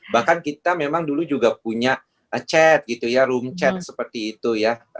bahkan kita memang dulu juga punya chat gitu ya room chat seperti itu ya